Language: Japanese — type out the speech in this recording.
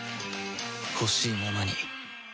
ほしいままに